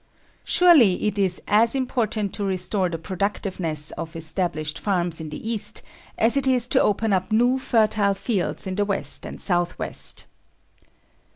Surely it is as important to restore the productiveness of established farms in the East, as it is to open up new, fertile fields in the West and Southwest.